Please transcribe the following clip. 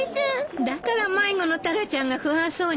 だから迷子のタラちゃんが不安そうにしてなかったのね。